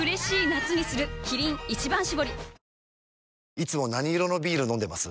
いつも何色のビール飲んでます？